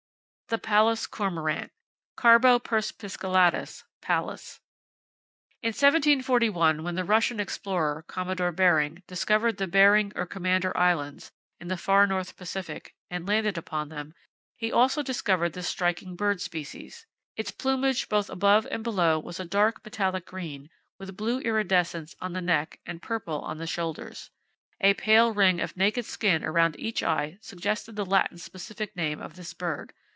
The Pallas Cormorant, —Carbo perspicillatus, (Pallas).—In 1741, when the Russian explorer, Commander Bering, discovered the Bering or Commander Islands, in the far north Pacific, and landed upon them, he also discovered this striking bird species. Its plumage both above and below was a dark metallic green, with blue iridescence on the neck and purple on the shoulders. A pale ring of naked skin around each eye suggested the Latin specific name of this bird.